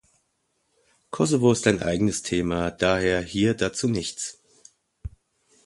Kosovo ist ein eigenes Thema, daher hier dazu nichts.